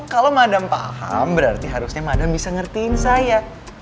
kalau madam paham berarti harusnya madam bisa ngertiin saya